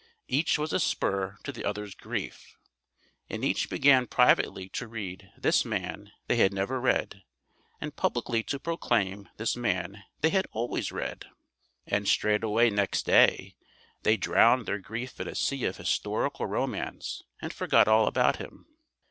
Each was a spur to the other's grief, and each began privately to read this man they had never read and publicly to proclaim this man they had always read. And straightaway next day they drowned their grief in a sea of historical romance and forgot all about him.